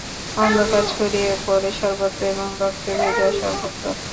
অন্ধকার ছড়িয়ে পড়ে সর্বত্র, এবং রক্তে ভেজা সর্বত্র।